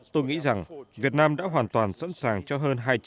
tôi nghĩ rằng việt nam đã hoàn toàn sẵn sàng cho hơn hai trăm linh hội nghị